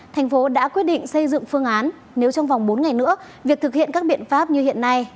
thành phố đã quyết định xây dựng phương án nếu trong vòng bốn ngày nữa việc thực hiện các biện pháp như hiện nay